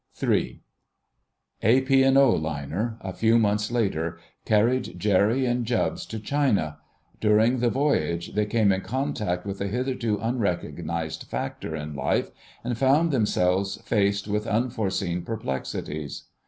*III.* A P. & O. liner, a few months later, carried Jerry and Jubbs to China. During the voyage they came in contact with a hitherto unrecognised factor in life, and found themselves faced with unforeseen perplexities.